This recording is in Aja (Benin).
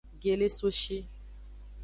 Gelesoshi.